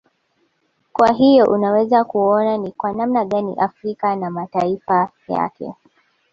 Kwa hiyo unaweza kuona ni kwa namna gani Afrika na mataifa yake